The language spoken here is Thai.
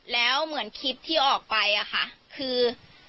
แล้วเหมือนคลิปที่ออกไปอะค่ะคือ